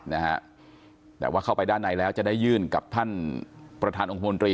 นะฮะแต่ว่าเข้าไปด้านในแล้วจะได้ยื่นกับท่านประธานองค์คมนตรี